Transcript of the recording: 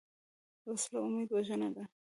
وسله امید وژنه ده